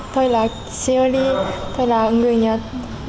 tôi là shiori tôi là người nhật